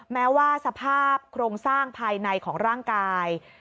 แม้ว่าสภาพโครงสร้างภายในของร่างกาย